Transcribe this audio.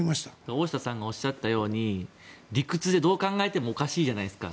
大下さんがおっしゃったように理屈でどう考えてもおかしいじゃないですか。